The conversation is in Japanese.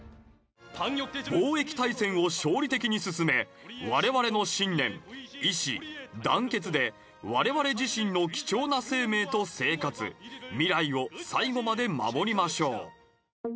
防疫大戦を勝利的に進め、われわれの信念、意思、団結で、われわれ自身の貴重な生命と生活、未来を最後まで守りましょう。